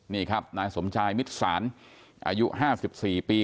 นี่ครับนายสมชายมิตรศาลอายุ๕๔ปี